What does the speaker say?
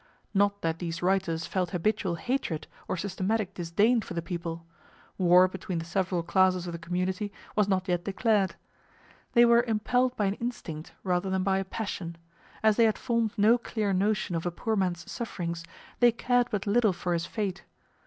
Not that these writers felt habitual hatred or systematic disdain for the people; war between the several classes of the community was not yet declared. They were impelled by an instinct rather than by a passion; as they had formed no clear notion of a poor man's sufferings, they cared but little for his fate.